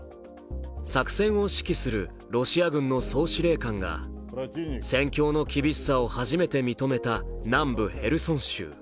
作戦を指揮するロシア軍の総司令官が戦況の厳しさを初めて認めた南部ヘルソン州。